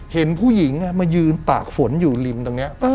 เห็นผู้หญิงมายืนตากฝนอยู่ริมตรงนี้